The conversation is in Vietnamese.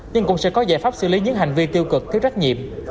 nhưng cũng sẽ có giải pháp xử lý những hành vi tiêu cực thiếu trách nhiệm